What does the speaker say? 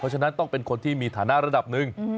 ฉะนั้นต้องเป็นคนที่มีฐานะระดับหนึ่ง